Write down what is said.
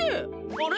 あれ？